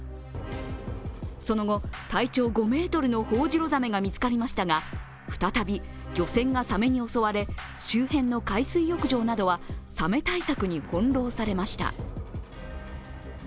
その後、体長５ｍのホオジロザメが見つかりましたが、再び漁船がサメに襲われ、周辺の海水浴場などはサメ対策に翻弄されました。